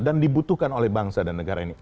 dan dibutuhkan oleh bangsa dan negara ini